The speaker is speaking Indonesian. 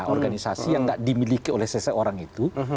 organisasi yang tidak dimiliki oleh seseorang itu